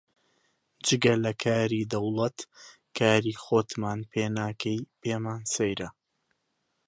جگە لە کاری دەوڵەت کاری خۆتمان پێ ناکەی، پێمان سەیرە